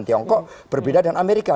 tiongkok berbeda dengan amerika